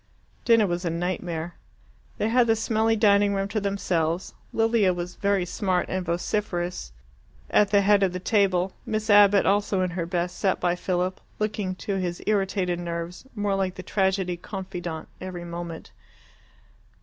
Dinner was a nightmare. They had the smelly dining room to themselves. Lilia, very smart and vociferous, was at the head of the table; Miss Abbott, also in her best, sat by Philip, looking, to his irritated nerves, more like the tragedy confidante every moment.